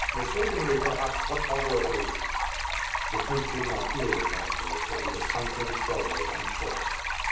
Mistakenly, perhaps, but honor ably." The prince did not hear this answer, for he was sunk in sorrow and thought.